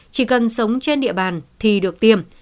chỉ cần sống trên địa bàn thì được tiêm